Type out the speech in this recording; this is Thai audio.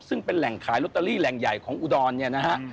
ซึ่งเป็นแหล่งขายลอตเตอรี่แหล่งใหญ่ของอุดรเนี่ยนะฮะ